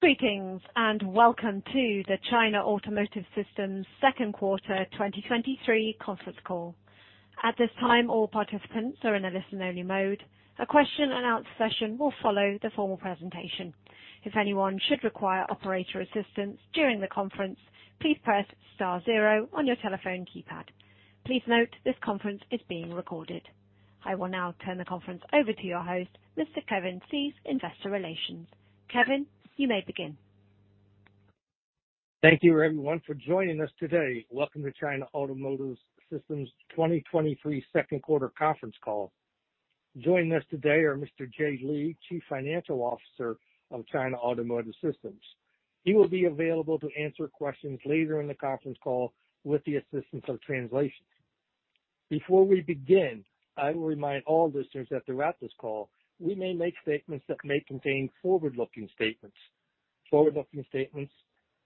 Greetings, and welcome to the China Automotive Systems second quarter 2023 conference call. At this time, all participants are in a listen-only mode. A question and answer session will follow the formal presentation. If anyone should require operator assistance during the conference, please press star 0 on your telephone keypad. Please note, this conference is being recorded. I will now turn the conference over to your host, Mr. Kevin Theiss, Investor Relations. Kevin, you may begin. Thank you, everyone, for joining us today. Welcome to China Automotive Systems 2023 second quarter conference call. Joining us today are Mr. Jie Li, Chief Financial Officer of China Automotive Systems. He will be available to answer questions later in the conference call with the assistance of translations. Before we begin, I will remind all listeners that throughout this call, we may make statements that may contain forward-looking statements. Forward-looking statements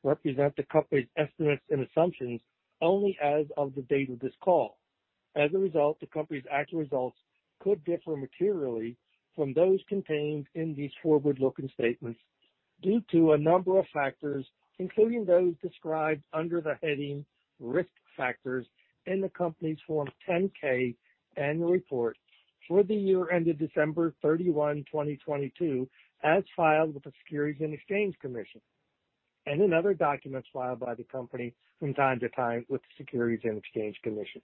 represent the company's estimates and assumptions only as of the date of this call. As a result, the company's actual results could differ materially from those contained in these forward-looking statements due to a number of factors, including those described under the heading Risk Factors in the company's Form 10-K Annual Report for the year ended December 31, 2022, as filed with the Securities and Exchange Commission, and in other documents filed by the company from time to time with the Securities and Exchange Commission.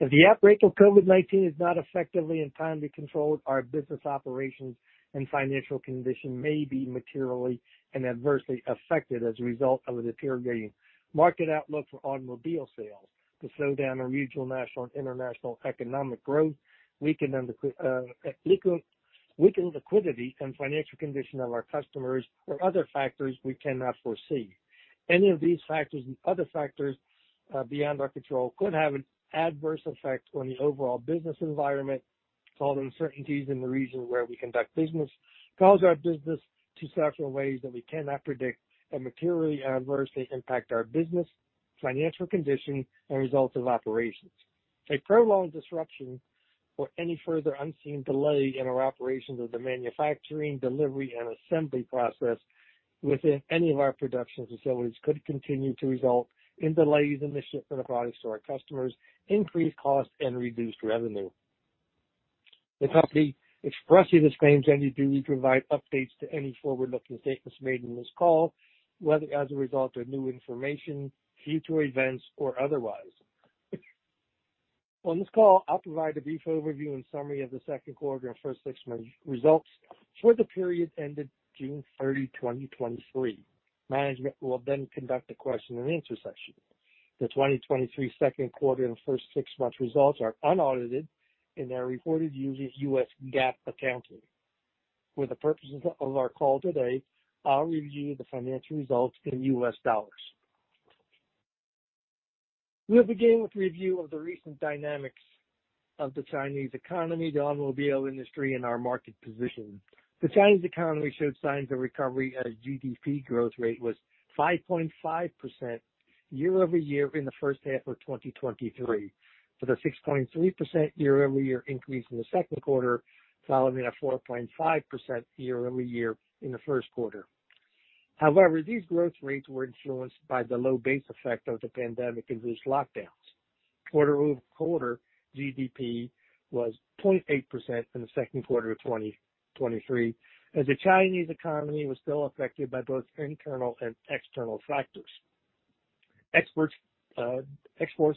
If the outbreak of COVID-19 is not effectively and timely controlled, our business operations and financial condition may be materially and adversely affected as a result of a deteriorating market outlook for automobile sales, the slowdown in regional, national, and international economic growth, weakened under weakened liquidity and financial condition of our customers or other factors we cannot foresee. Any of these factors and other factors beyond our control could have an adverse effect on the overall business environment, cause uncertainties in the regions where we conduct business, cause our business to suffer in ways that we cannot predict and materially adversely impact our business, financial condition, and results of operations. A prolonged disruption or any further unforeseen delay in our operations of the manufacturing, delivery, and assembly process within any of our production facilities could continue to result in delays in the shipment of products to our customers, increased costs, and reduced revenue. The company expressly disclaims any duty to provide updates to any forward-looking statements made in this call, whether as a result of new information, future events, or otherwise. On this call, I'll provide a brief overview and summary of the second quarter and first six-month results for the period ended June 30, 2023. Management will then conduct a question and answer session. The 2023 second quarter and first six-month results are unaudited and are reported using U.S. GAAP accounting. For the purposes of our call today, I'll review the financial results in U.S. dollars. We'll begin with a review of the recent dynamics of the Chinese economy, the automobile industry, and our market position. The Chinese economy showed signs of recovery as GDP growth rate was 5.5% year-over-year in the first half of 2023, with a 6.3% year-over-year increase in the second quarter, following a 4.5% year-over-year in the first quarter. However, these growth rates were influenced by the low base effect of the pandemic-induced lockdowns. Quarter-over-quarter GDP was 0.8% in the second quarter of 2023, as the Chinese economy was still affected by both internal and external factors. Exports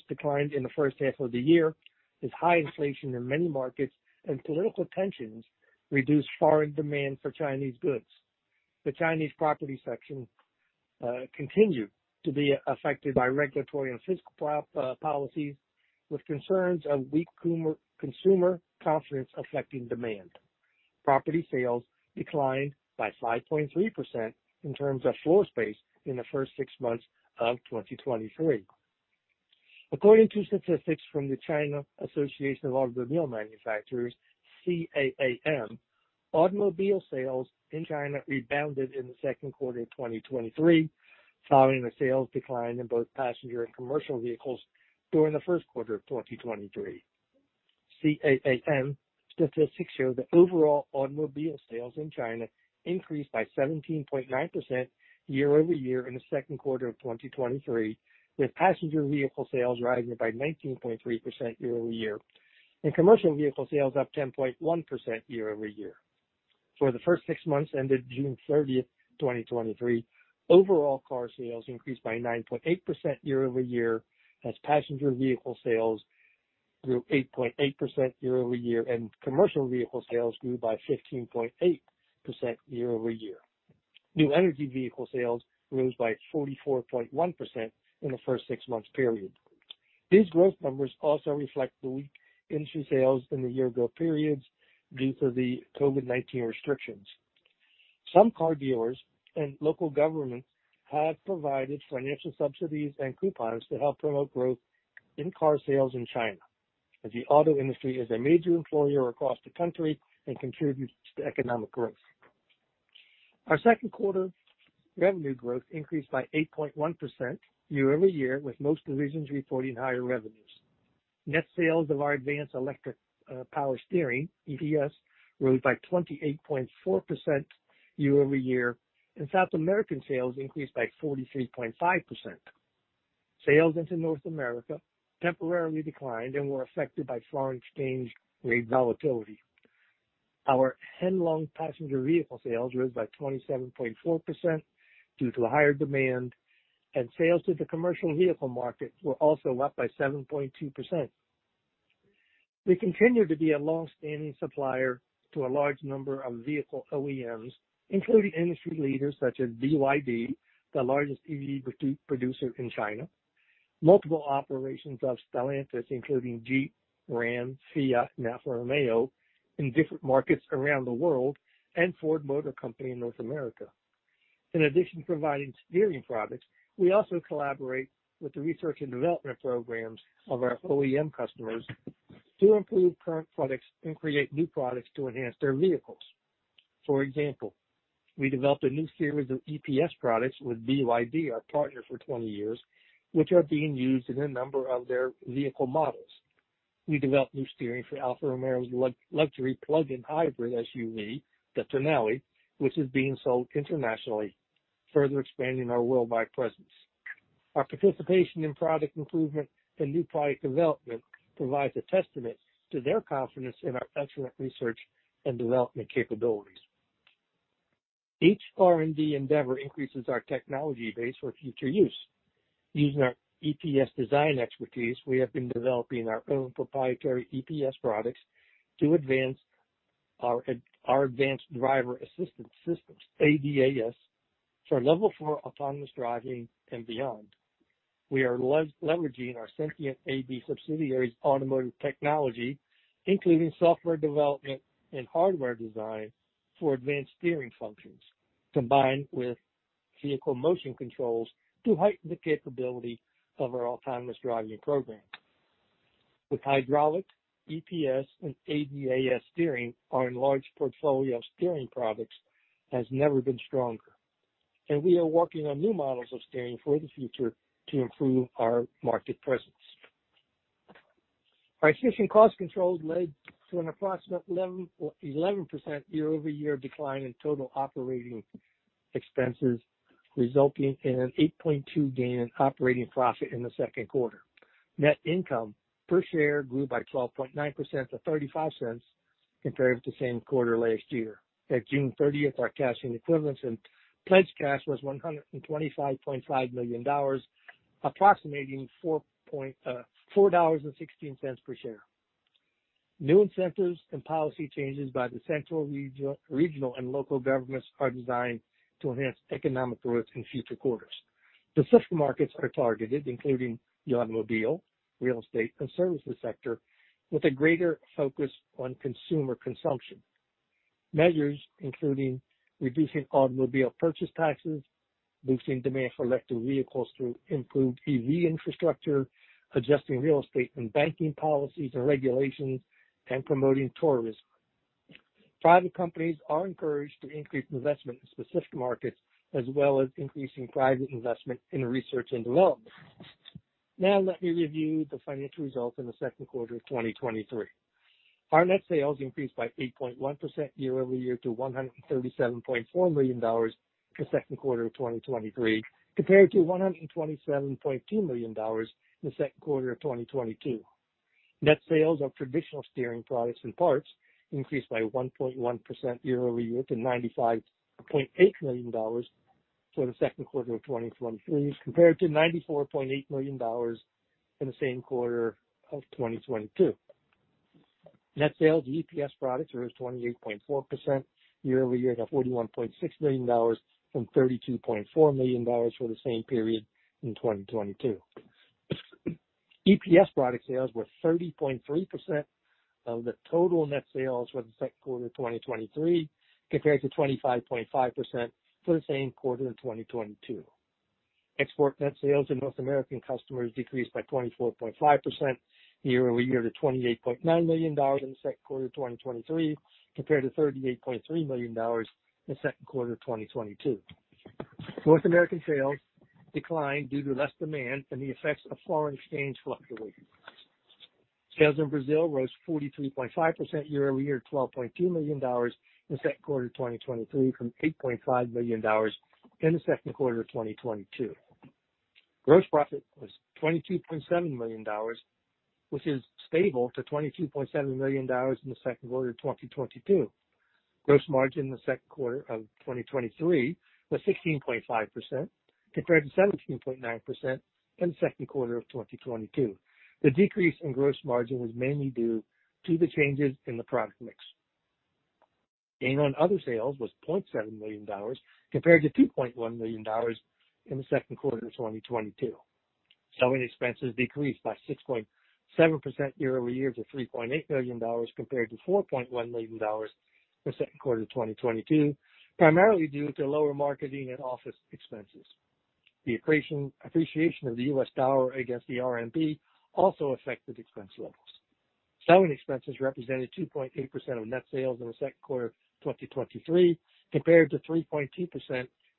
declined in the first half of the year, as high inflation in many markets and political tensions reduced foreign demand for Chinese goods. The Chinese property sector continued to be affected by regulatory and fiscal policies, with concerns of weak consumer confidence affecting demand. Property sales declined by 5.3% in terms of floor space in the first six months of 2023. According to statistics from the China Association of Automobile Manufacturers, CAAM, automobile sales in China rebounded in the second quarter of 2023, following a sales decline in both passenger and commercial vehicles during the first quarter of 2023. CAAM statistics show that overall automobile sales in China increased by 17.9% year-over-year in the second quarter of 2023, with passenger vehicle sales rising by 19.3% year-over-year, and commercial vehicle sales up 10.1% year-over-year. For the first six months ended June 30th, 2023, overall car sales increased by 9.8% year-over-year, as passenger vehicle sales grew 8.8% year-over-year, and commercial vehicle sales grew by 15.8% year-over-year. New energy vehicle sales rose by 44.1% in the first six-month period. These growth numbers also reflect the weak industry sales in the year-ago periods due to the COVID-19 restrictions. Some car dealers and local governments have provided financial subsidies and coupons to help promote growth in car sales in China, as the auto industry is a major employer across the country and contributes to economic growth. Our second quarter revenue growth increased by 8.1% year-over-year, with most divisions reporting higher revenues. Net sales of our advanced electric power steering, EPS, rose by 28.4% year-over-year, and South American sales increased by 43.5%. Sales into North America temporarily declined and were affected by foreign exchange rate volatility. Our Henglong passenger vehicle sales rose by 27.4% due to a higher demand, and sales to the commercial vehicle market were also up by 7.2%. We continue to be a long-standing supplier to a large number of vehicle OEMs, including industry leaders such as BYD, the largest EV producer in China. Multiple operations of Stellantis, including Jeep, Ram, Fiat, Alfa Romeo, in different markets around the world, and Ford Motor Company in North America. In addition to providing steering products, we also collaborate with the research and development programs of our OEM customers to improve current products and create new products to enhance their vehicles. For example, we developed a new series of EPS products with BYD, our partner for 20 years, which are being used in a number of their vehicle models. We developed new steering for Alfa Romeo's luxury plug-in hybrid SUV, the Tonale, which is being sold internationally, further expanding our worldwide presence. Our participation in product improvement and new product development provides a testament to their confidence in our excellent research and development capabilities. Each R&D endeavor increases our technology base for future use. Using our EPS design expertise, we have been developing our own proprietary EPS products to advance our advanced driver assistance systems, ADAS, for Level 4 autonomous driving and beyond. We are leveraging our Sentient AB subsidiaries automotive technology, including software development and hardware design for advanced steering functions, combined with vehicle motion controls to heighten the capability of our autonomous driving program. With hydraulic, EPS, and ADAS steering, our enlarged portfolio of steering products has never been stronger, and we are working on new models of steering for the future to improve our market presence. Our efficient cost controls led to an approximate 11% year-over-year decline in total operating expenses, resulting in an 8.2% gain in operating profit in the second quarter. Net income per share grew by 12.9% to $0.35 compared to the same quarter last year. At June thirtieth, our cash and equivalents, and pledged cash was $125.5 million, approximating $4.16 per share. New incentives and policy changes by the central regional and local governments are designed to enhance economic growth in future quarters. The system markets are targeted, including the automobile, real estate, and services sector, with a greater focus on consumer consumption. Measures including reducing automobile purchase taxes, boosting demand for electric vehicles to improve EV infrastructure, adjusting real estate and banking policies and regulations, and promoting tourism. Private companies are encouraged to increase investment in specific markets, as well as increasing private investment in research and development. Now, let me review the financial results in the second quarter of 2023. Our net sales increased by 8.1% year-over-year to $137.4 million for the second quarter of 2023, compared to $127.2 million in the second quarter of 2022. Net sales of traditional steering products and parts increased by 1.1% year-over-year to $95.8 million for the second quarter of 2023, compared to $94.8 million in the same quarter of 2022. Net sales of EPS products are 28.4% year-over-year, to $41.6 million from $32.4 million for the same period in 2022. EPS product sales were 30.3% of the total net sales for the second quarter of 2023, compared to 25.5% for the same quarter in 2022. Export net sales in North American customers decreased by 24.5% year-over-year to $28.9 million in the second quarter of 2023, compared to $38.3 million in the second quarter of 2022. North American sales declined due to less demand and the effects of foreign exchange fluctuations. Sales in Brazil rose 43.5% year-over-year, to $12.2 million in the second quarter of 2023, from $8.5 million in the second quarter of 2022. Gross profit was $22.7 million, which is stable to $22.7 million in the second quarter of 2022. Gross margin in the second quarter of 2023 was 16.5%, compared to 17.9% in the second quarter of 2022. The decrease in gross margin was mainly due to the changes in the product mix. Gain on other sales was $0.7 million, compared to $2.1 million in the second quarter of 2022. Selling expenses decreased by 6.7% year-over-year to $3.8 million, compared to $4.1 million in the second quarter of 2022, primarily due to lower marketing and office expenses. The appreciation of the U.S. dollar against the RMB also affected expense levels. Selling expenses represented 2.8% of net sales in the second quarter of 2023, compared to 3.2%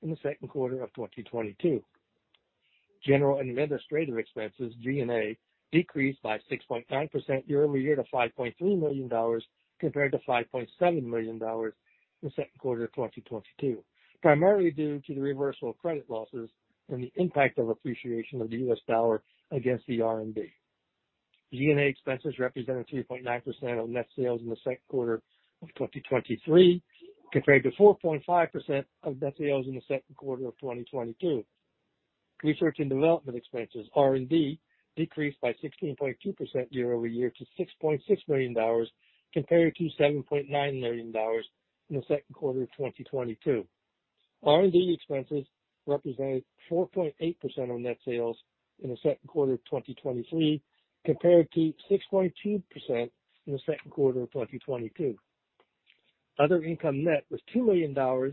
in the second quarter of 2022. General and administrative expenses, G&A, decreased by 6.9% year-over-year to $5.3 million, compared to $5.7 million in the second quarter of 2022, primarily due to the reversal of credit losses and the impact of appreciation of the US dollar against the RMB. G&A expenses represented 2.9% of net sales in the second quarter of 2023, compared to 4.5% of net sales in the second quarter of 2022. Research and development expenses, R&D, decreased by 16.2% year-over-year to $6.6 million, compared to $7.9 million in the second quarter of 2022. R&D expenses represented 4.8% of net sales in the second quarter of 2023, compared to 6.2% in the second quarter of 2022. Other income net was $2 million for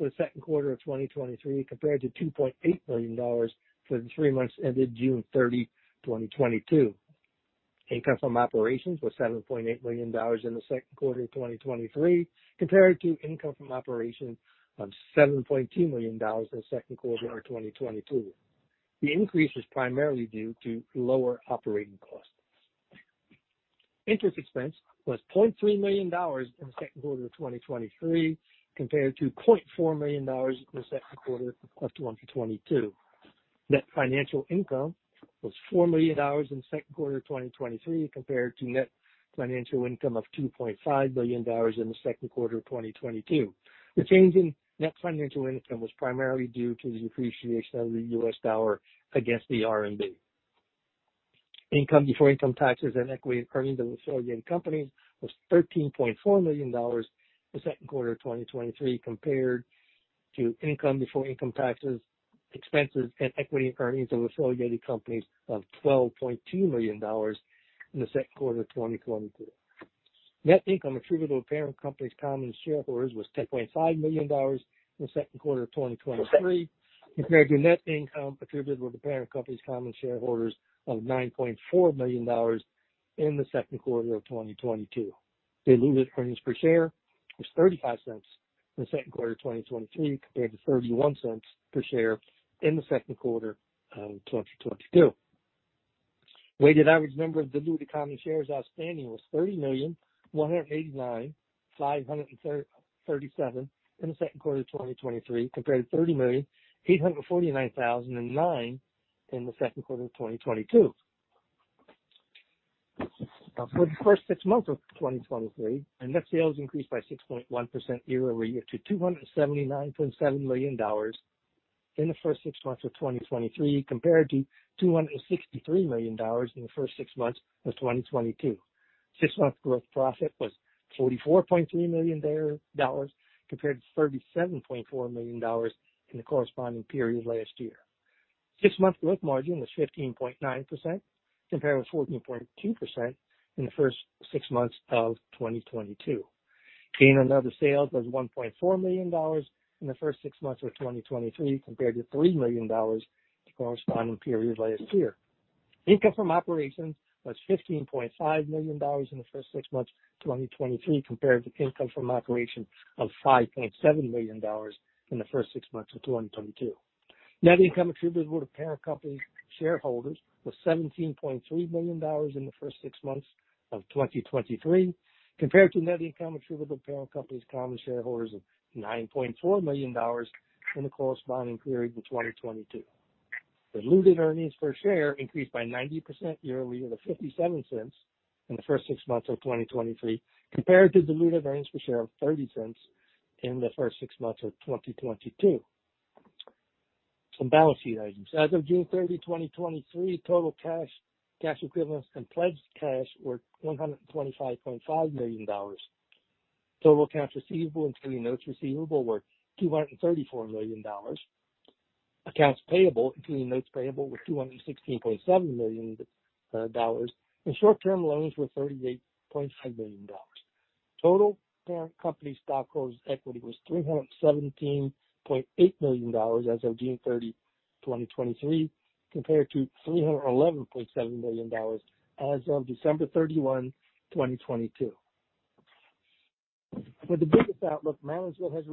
the second quarter of 2023, compared to $2.8 million for the three months ended June 30, 2022. Income from operations was $7.8 million in the second quarter of 2023, compared to income from operations of $7.2 million in the second quarter of 2022. The increase was primarily due to lower operating costs. Interest expense was $0.3 million in the second quarter of 2023, compared to $0.4 million in the second quarter of 2022. Net financial income was $4 million in the second quarter of 2023, compared to net financial income of $2.5 million in the second quarter of 2022. The change in net financial income was primarily due to the depreciation of the U.S. dollar against the RMB. Income before income taxes and equity earnings of affiliated companies was $13.4 million in the second quarter of 2023, compared to income before income taxes, expenses and equity earnings of affiliated companies of $12.2 million in the second quarter of 2022. Net income attributable to parent company's common shareholders was $10.5 million in the second quarter of 2023, compared to net income attributable to parent company's common shareholders of $9.4 million in the second quarter of 2022. Diluted earnings per share was $0.35 in the second quarter of 2023, compared to $0.31 per share in the second quarter of 2022. Weighted average number of diluted common shares outstanding was 30,189,537 in the second quarter of 2023, compared to 30,849,009 in the second quarter of 2022. Now for the first six months of 2023, our net sales increased by 6.1% year over year to $279.7 million in the first six months of 2023, compared to $263 million in the first six months of 2022. Six-month growth profit was $44.3 million, compared to $37.4 million in the corresponding period last year. Six-month growth margin was 15.9%, compared with 14.2% in the first six months of 2022. Gain on other sales was $1.4 million in the first six months of 2023, compared to $3 million in the corresponding period last year. Income from operations was $15.5 million in the first six months of 2023, compared to income from operations of $5.7 million in the first six months of 2022. Net income attributable to parent company's shareholders was $17.3 million in the first six months of 2023, compared to net income attributable to parent company's common shareholders of $9.4 million in the corresponding period of 2022. Diluted earnings per share increased by 90% year over year to $0.57 in the first six months of 2023, compared to diluted earnings per share of $0.30 in the first six months of 2022. Some balance sheet items. As of June 30, 2023, total cash, cash equivalents, and pledged cash were $125.5 million. Total accounts receivable, including notes receivable, were $234 million. Accounts payable, including notes payable, were $216.7 million, dollars, and short-term loans were $38.5 million. Total parent company stockholders' equity was $317.8 million as of June 30, 2023, compared to $311.7 million as of December 31, 2022. For the business outlook, management has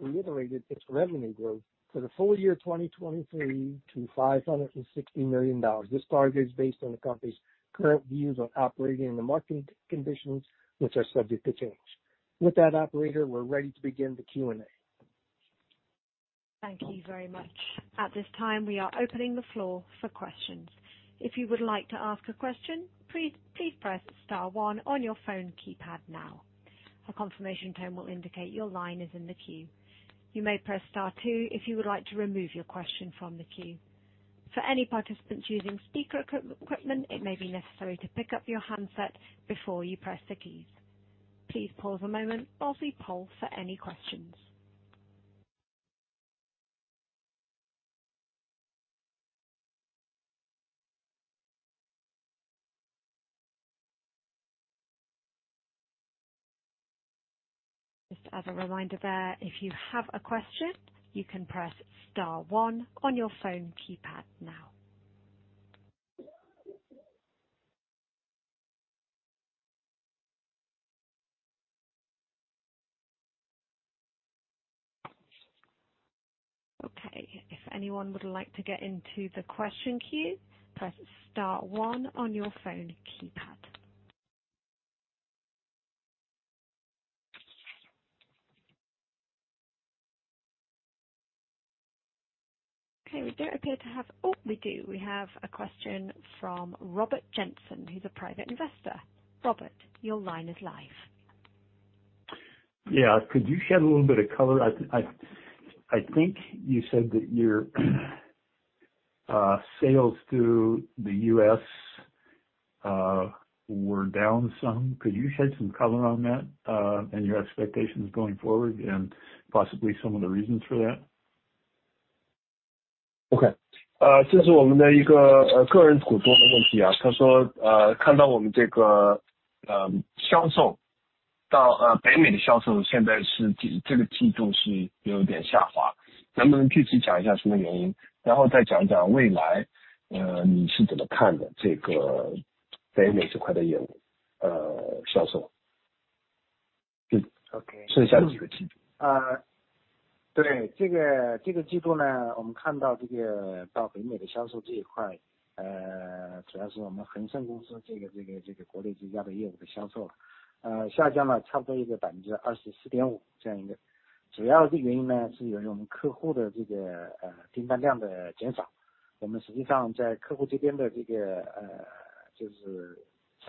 reiterated its revenue growth for the full year of 2023 to $560 million. This target is based on the company's current views of operating in the marketing conditions, which are subject to change. With that, operator, we're ready to begin the Q&A. Thank you very much. At this time, we are opening the floor for questions. If you would like to ask a question, please, please press star one on your phone keypad now. A confirmation tone will indicate your line is in the queue. You may press star two if you would like to remove your question from the queue. For any participants using speaker equipment, it may be necessary to pick up your handset before you press the keys. Please pause a moment while we poll for any questions.... Just as a reminder there, if you have a question, you can press star one on your phone keypad now. Okay, if anyone would like to get into the question queue, press star one on your phone keypad. Okay, we don't appear to have... Oh, we do. We have a question from Robert Jensen, he's a private investor. Robert, your line is live. Yeah. Could you shed a little bit of color? I, think you said that your sales to the U.S. were down some. Could you shed some color on that, and your expectations going forward, and possibly some of the reasons for that?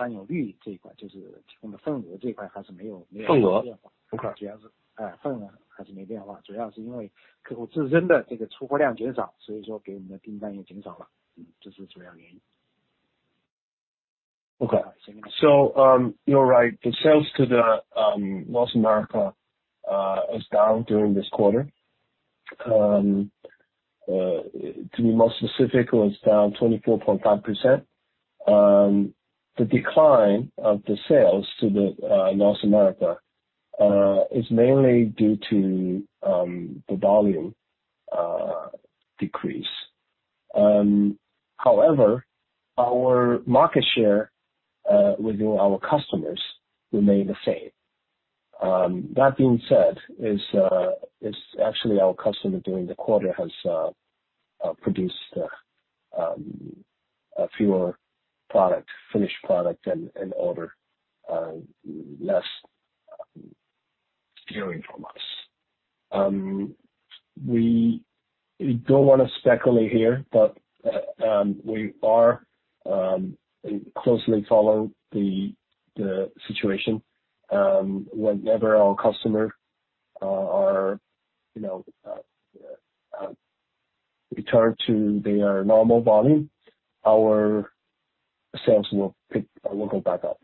Okay. speaks in foreign language. Okay. speaks in foreign language. speaks in foreign language. Okay. You're right. The sales to the North America is down during this quarter. To be more specific, it was down 24.5%. The decline of the sales to the North America is mainly due to the volume decrease. However, our market share with our customers remained the same. That being said, is actually our customer during the quarter has produced a fewer product, finished product, and order less carrying from us. We don't want to speculate here, but we are closely follow the situation. Whenever our customer are, you know, return to their normal volume, our sales will pick, will go back up.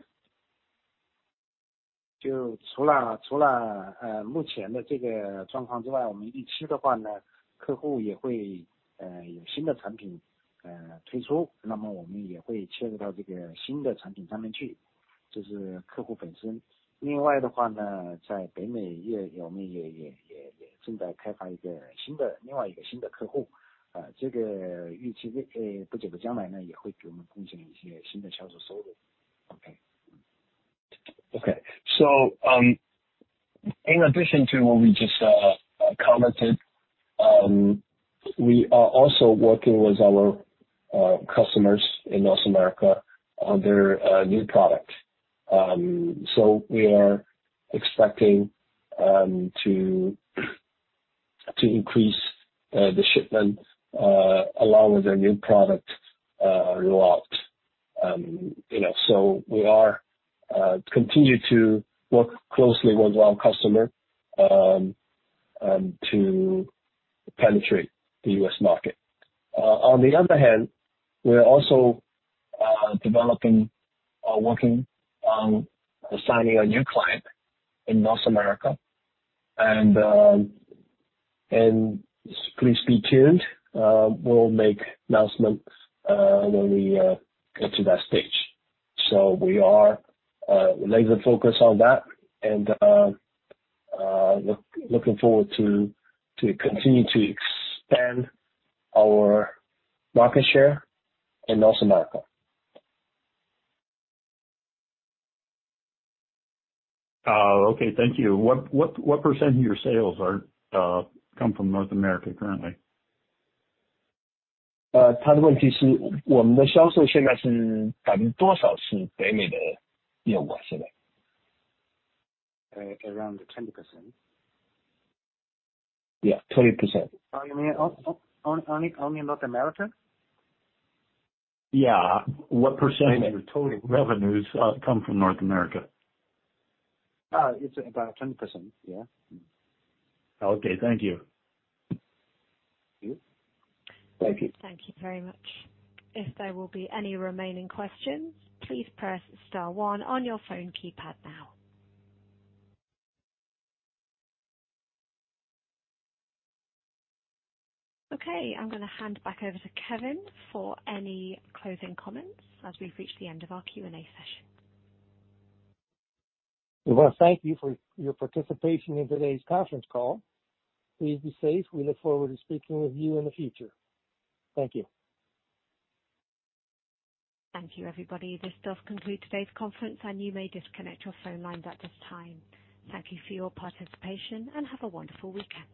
Okay. In addition to what we just commented, we are also working with our customers in North America on their new product. We are expecting to, to increase the shipment along with their new product rollout. You know, we are continue to work closely with our customer to penetrate the US market. On the other hand, we are also developing, working on signing a new client in North America. And please be tuned, we'll make announcements when we get to that stage. We are laser focused on that, and looking forward to continue to expand our market share in North America. okay, thank you. What, what, what % of your sales are come from North America currently? speaks in foreign language. around 10%. Yeah, 20%. Oh, you mean only North America? Yeah. What % of your total revenues come from North America? It's about 10%. Yeah. Okay, thank you. Thank you. Thank you. Thank you very much. If there will be any remaining questions, please press star one on your phone keypad now. Okay, I'm going tohand back over to Kevin for any closing comments, as we've reached the end of our Q&A session. We want to thank you for your participation in today's conference call. Please be safe. We look forward to speaking with you in the future. Thank you. Thank you, everybody. This does conclude today's conference, and you may disconnect your phone lines at this time. Thank you for your participation, and have a wonderful weekend.